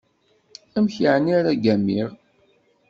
Amek yeεni ara ggamiɣ?